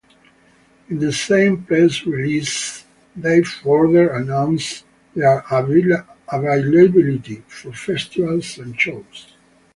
In the same press release, they further announced their availability for festivals and shows.